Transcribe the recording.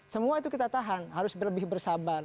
semua itu kita tahan harus lebih bersabar